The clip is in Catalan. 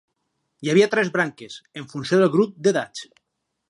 Hi havia tres branques, en funció del grup d'edats.